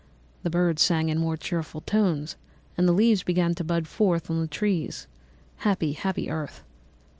The birds sang in more cheerful notes, and the leaves began to bud forth on the trees. Happy, happy earth!